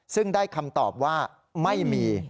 ซึ่งได้คำตอบว่าไม่มี